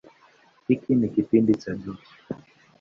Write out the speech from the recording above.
Hiki ni kipindi cha joto.